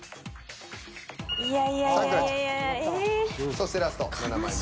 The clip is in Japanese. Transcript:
そしてラスト７枚目。